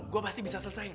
gue pasti bisa selesain